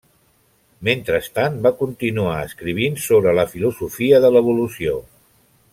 Mentrestant, va continuar escrivint sobre la filosofia de l'evolució.